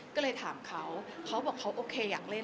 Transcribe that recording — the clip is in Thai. ก็เลยถามเขาเขาบอกเขาโอเคอยากเล่น